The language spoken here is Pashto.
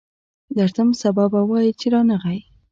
درځم، سبا به وایې چې رانغی.